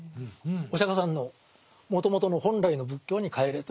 お釈迦さんのもともとの本来の仏教に返れということ。